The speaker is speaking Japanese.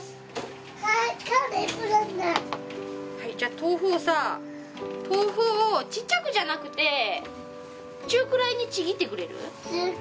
はいはいじゃあ豆腐をさ豆腐をちっちゃくじゃなくて中くらいにちぎってくれる？